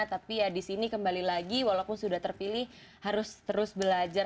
tapi ya di sini kembali lagi walaupun sudah terpilih harus terus belajar